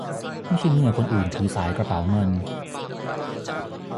ไม่ใช่เมื่อคนอื่นถือสายกระเป๋าเงิน